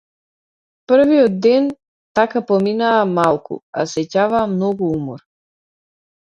Првиот ден, така, поминаа малку, а сеќаваа многу умор.